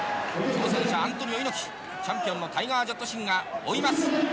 挑戦者のアントニオ猪木チャンピオンのタイガー・ジェット・シンが追います。